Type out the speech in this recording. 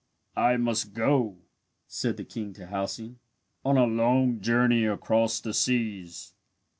"I must go," said the king to Halcyone, "on a long journey across the seas.